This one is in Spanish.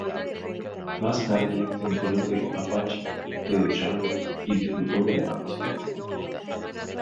Más tarde, se enteró de "Apache", de The Shadows y disfrutó de la grabación.